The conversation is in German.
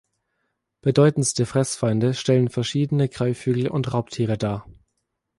Bedeutendste Fressfeinde stellen verschiedene Greifvögel und Raubtiere dar.